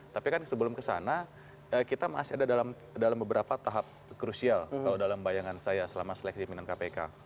tapi kan sebelum ke sana kita masih ada dalam beberapa tahap krusial dalam bayangan saya selama seleksi pindah kpk